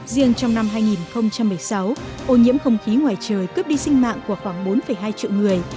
riêng trong năm hai nghìn một mươi sáu ô nhiễm không khí ngoài trời cướp đi sinh mạng của khoảng bốn hai triệu người